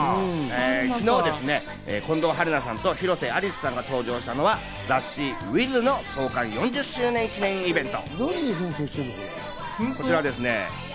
昨日、近藤春菜さんと広瀬アリスさんが登場したのは、雑誌『ｗｉｔｈ』の創刊４０周年記念イベント。